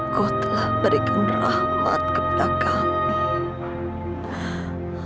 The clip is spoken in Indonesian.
kau telah berikan rahmat kepada kami